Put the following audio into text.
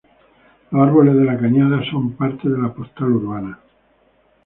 Los árboles de La Cañada son parte de la postal urbana.